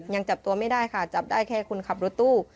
ยังจับตัวไม่ได้ค่ะจับได้แค่คนขับรถตู้